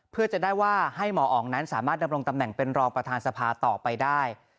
เพื่อจะได้ว่าให้หมออ๋องนั้นสามารถดำรงตำแหน่งเป็นรองประธานสภาต่อไปได้